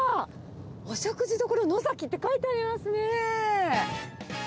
お食事処のざきって書いてありますね。